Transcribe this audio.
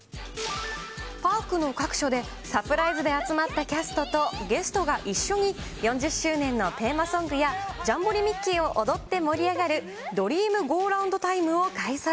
パークの各所で、サプライズで集まったキャストとゲストが一緒に４０周年のテーマソングやジャンボリミッキー！を踊って盛り上がるドリームゴーラウンドタイムを開催。